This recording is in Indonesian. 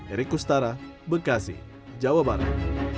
erik kustara bekasi jawa barat